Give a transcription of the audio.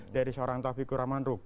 dari seorang tpkor